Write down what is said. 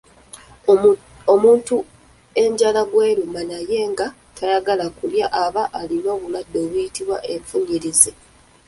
Omuntu enjala gw’eruma naye nga tayagala kulya aba alina obulwadde obuyitibwa Enfuuyirizi.